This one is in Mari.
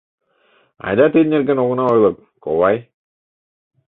Айда тидын нерген огына ойло, ковай?